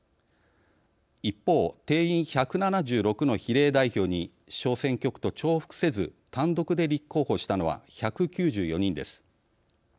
一方、定員１７６の比例代表に小選挙区と重複せず単独で立候補したのは１９４人です。